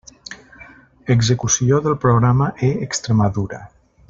Execució del Programa e-Extremadura.